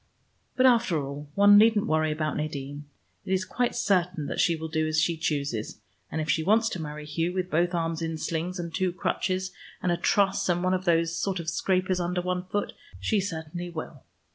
But after all, one needn't worry about Nadine. It is quite certain that she will do as she chooses, and if she wants to marry Hugh with both arms in slings, and two crutches, and a truss and one of those sort of scrapers under one foot she certainly will.